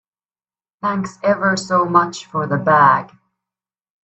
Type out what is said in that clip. Thanks ever so much for the bag.